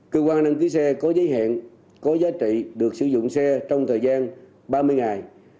cơ quan đăng ký xe có giới hẹn có giá trị được sử dụng xe trong thời gian ba mươi ngày